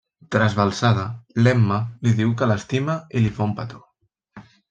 Trasbalsada, l'Emma li diu que l'estima i li fa un petó.